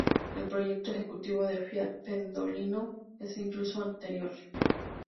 El proyecto ejecutivo de Fiat-Pendolino es incluso anterior.